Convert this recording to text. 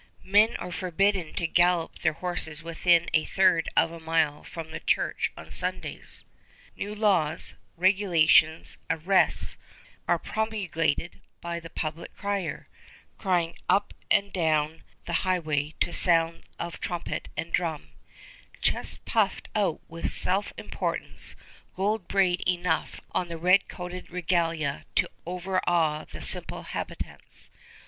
"Men are forbidden to gallop their horses within a third of a mile from the church on Sundays." New laws, regulations, arrests, are promulgated by the public crier, "crying up and down the highway to sound of trumpet and drum," chest puffed out with self importance, gold braid enough on the red coated regalia to overawe the simple habitants.